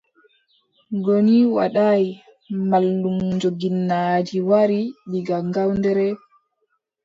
Goni Wadaay, mallumjo ginnaaji wari diga Ngawdere.